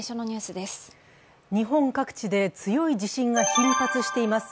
日本各地で強い地震が頻発しています。